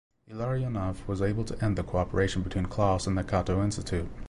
Illarionov was able to end the cooperation between Klaus and the Cato Institute.